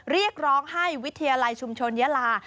เรียกร้องให้วิทยาลัยชุมชนยาลา